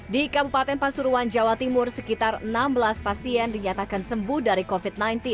di kabupaten pasuruan jawa timur sekitar enam belas pasien dinyatakan sembuh dari covid sembilan belas